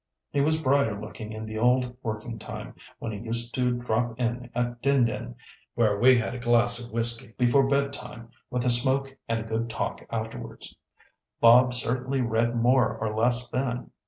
He was brighter looking in the old working time, when he used to drop in at Din Din, where we had a glass of whisky before bedtime with a smoke and a good talk afterwards. Bob certainly read more or less then.